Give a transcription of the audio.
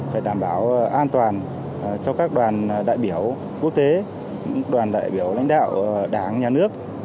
phải đảm bảo an toàn cho các đoàn đại biểu quốc tế đoàn đại biểu lãnh đạo đảng nhà nước